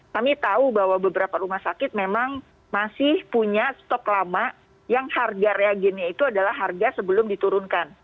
kami tahu bahwa beberapa rumah sakit memang masih punya stok lama yang harga reagennya itu adalah harga sebelum diturunkan